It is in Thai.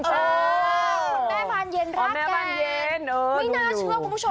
คุณแม่บานเย็นร่างกายบานเย็นไม่น่าเชื่อคุณผู้ชม